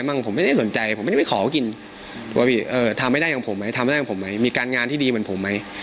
อย่างผมไหมทำให้ได้อย่างผมไหมมีการงานที่ดีเหมือนผมไหม